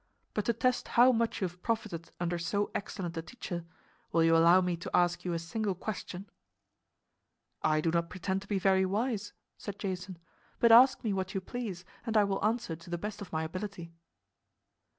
But to test how much you have profited under so excellent a teacher, will you allow me to ask you a single question?" "I do not pretend to be very wise," said Jason; "but ask me what you please and I will answer to the best of my ability."